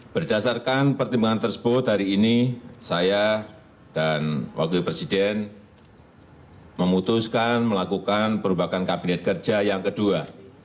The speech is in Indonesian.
berdasarkan pertimbangan tersebut hari ini saya dan wakil presiden memutuskan melakukan perubahan kabinet kerja yang kedua